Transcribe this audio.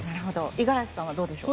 五十嵐さんはどうでしょう？